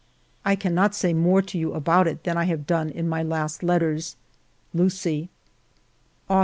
I cannot say more to you about it than I have done in my last letters. ... Lucie."